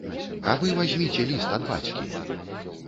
А вы вазьміце ліст ад бацькі!